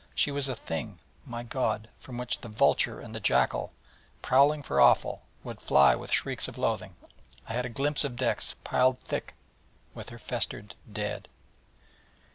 She was a thing, my God, from which the vulture and the jackal, prowling for offal, would fly with shrieks of loathing. I had a glimpse of decks piled thick with her festered dead.